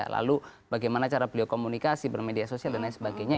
lalu bagaimana cara beliau komunikasi bermedia sosial dan lain sebagainya